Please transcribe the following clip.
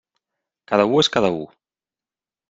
Cada u és cada u.